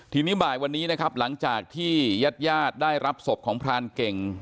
ทีนี้บ่ายวันนี้นะครับหลังจากที่ญาติญาติได้รับศพของพรานเก่ง